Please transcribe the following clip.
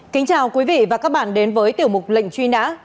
kính chào quý vị và các bạn đến với tiểu mục lệnh truy nã